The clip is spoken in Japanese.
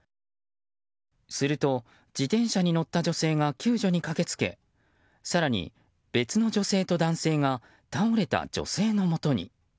すると、自転車に乗った女性が救助に駆けつけ更に、別の女性と男性が倒れた女性のもとに。